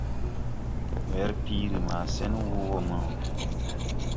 Werpiiri maa sen wɔɔ wɔɔ mo no.